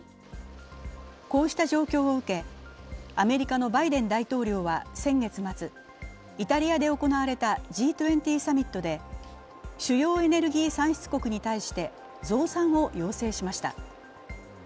こうした状況を受け、アメリカのバイデン大統領は先月末、イタリアで行われたＧ２０サミットで主要エネルギー産出国に対して増産を要請しました。